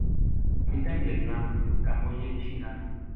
Habita en Vietnam, Camboya y China.